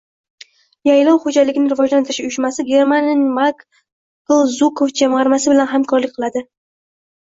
Yaylov xo‘jaligini rivojlantirish uyushmasi Germaniyaning “Maykl Zukov jamg‘armasi” bilan hamkorlik qiladi